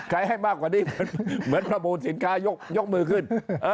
ให้มากกว่านี้เหมือนประมูลสินค้ายกมือขึ้น